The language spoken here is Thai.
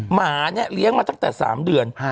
หมาเนี่ยเลี้ยงมาตั้งแต่๓เดือน